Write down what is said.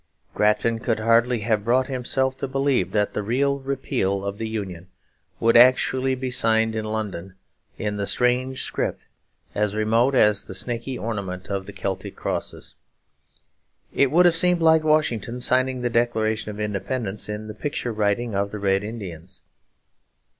Grattan could hardly have brought himself to believe that the real repeal of the Union would actually be signed in London in the strange script as remote as the snaky ornament of the Celtic crosses. It would have seemed like Washington signing the Declaration of Independence in the picture writing of the Red Indians.